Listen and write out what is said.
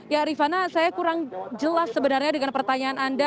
ya rifana saya kurang jelas sebenarnya dengan pertanyaan anda